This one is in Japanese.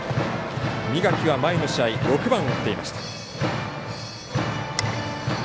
三垣は前の試合６番を打っていました。